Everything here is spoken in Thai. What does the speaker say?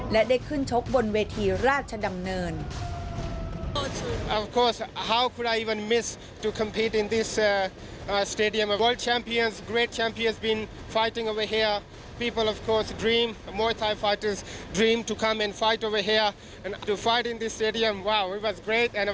และได้ขึ้นชกบนเวทีราชดำเนิน